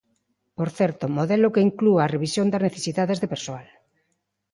Por certo, modelo que inclúe a revisión das necesidades de persoal.